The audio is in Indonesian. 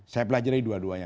saya pelajari dua duanya